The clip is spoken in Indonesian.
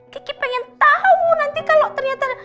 kiki pengen tahu nanti kalau ternyata